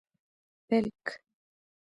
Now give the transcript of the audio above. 🦃 پېلک